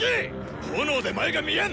炎で前が見えん！